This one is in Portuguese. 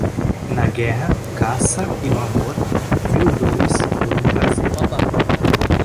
Na guerra, caça e no amor - mil dores por um prazer.